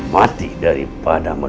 tapi aku riversudama